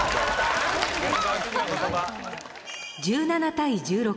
１７対１６。